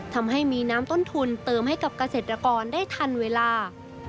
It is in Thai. ทำให้มีน้ำต้นทุนเติมให้กับเกษตรกรได้ทันเวลา